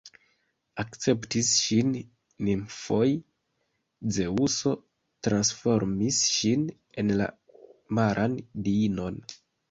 Akceptis ŝin nimfoj, Zeŭso transformis ŝin en la maran diinon.